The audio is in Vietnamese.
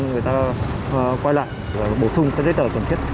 chúng tôi yêu cầu người dân người ta quay lại bổ sung giấy tờ cần thiết